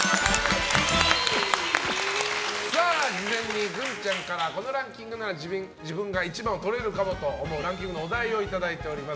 事前にグンちゃんからこのランキングなら自分が１番をとれるかもと思うランキングのお題をいただいております。